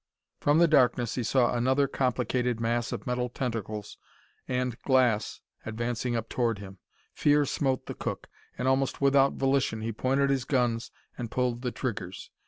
From the darkness he saw another complicated mass of metal tentacles and glass advancing up towards him. Fear smote the cook, and almost without volition be pointed his guns and pulled the triggers.